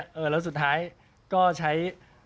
แล้วสุดท้ายก็ใช้